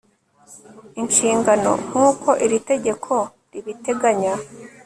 inshingano nk uko iri tegeko ribiteganya